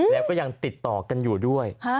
แล้วก็ยังติดต่อกันอยู่ด้วย